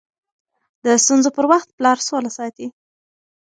د ستونزو پر وخت پلار سوله ساتي.